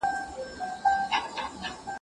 تخیل باید د واقعیت مخه ونه نیسي.